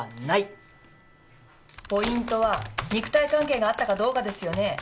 ポイントは肉体関係があったかどうかですよね？